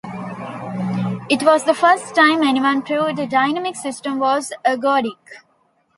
It was the first time anyone proved a dynamic system was ergodic.